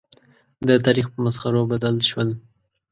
د تاریخ په مسخرو بدل شول.